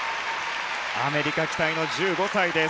アメリカ期待の１５歳です。